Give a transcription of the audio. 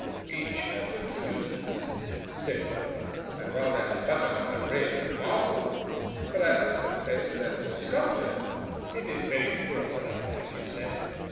"Each has its uses," said Homer. "I'd rather have butter on my bread than marble, but I must confess that for sculpture it is very poor stuff, as you say."